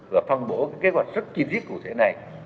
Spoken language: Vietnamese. và phân bổ kế hoạch rất chi tiết cụ thể này